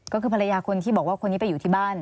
ก็คือภรรยาคนที่บอกว่าคนนี้ไปอยู่ที่บ้าน